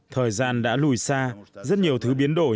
thời gian đã lùi xa rất nhiều thứ biến đổi